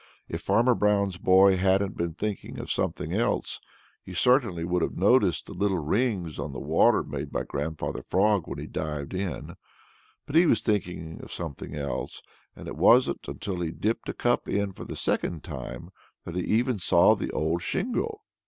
If Farmer Brown's boy hadn't been thinking of something else, he certainly would have noticed the little rings on the water made by Grandfather Frog when he dived in. But he was thinking of something else, and it wasn't until he dipped a cup in for the second time that he even saw the old shingle.